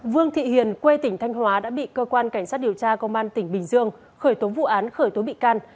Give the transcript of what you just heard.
vương thị hiền quê tỉnh thanh hóa đã bị cơ quan cảnh sát điều tra công an tỉnh bình dương khởi tố vụ án khởi tố bị can